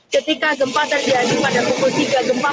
ketika gempa terjadi mereka tidak bisa menemukan semuanya